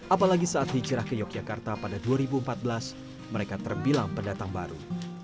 apalagi saat hijrah ke yogyakarta pada dua ribu empat belas mereka terbilang pendatang baru